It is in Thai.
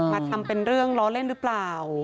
มาทำเป็นเรื่องล้อเล่นหรือเปล่า